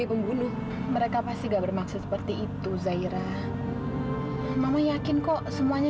kamu sama dia udah kenal ya